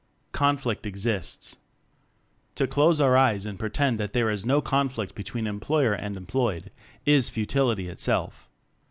Conflict Exists To close our eyes and pretend that there is no conflict between employer and employed is futility itself.